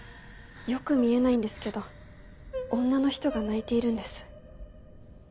よく見えないんですけど女の人が泣いているんです。